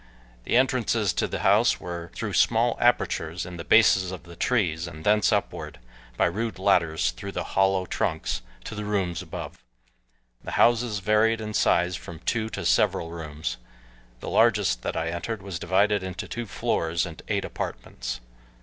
The entrances to the house were through small apertures in the bases of the trees and thence upward by rude ladders through the hollow trunks to the rooms above. The houses varied in size from two to several rooms. The largest that I entered was divided into two floors and eight apartments.